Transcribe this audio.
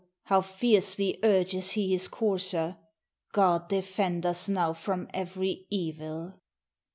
how fiercely urges he his courser! God defend us now from every evil!"